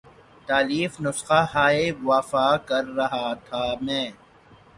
تالیف نسخہ ہائے وفا کر رہا تھا میں